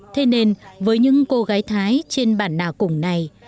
thế nên với những cô gái thái trên bản nạ củng này